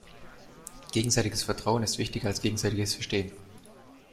Gegenseitiges Vertrauen ist wichtiger als gegenseitiges Verstehen.